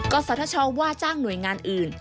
ศทชว่าจ้างหน่วยงานอื่น